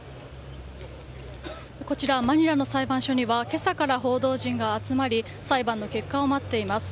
こちらマニラの裁判所には今朝から報道陣が集まり裁判の結果を待っています。